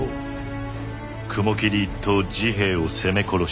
雲霧一党治平を責め殺した。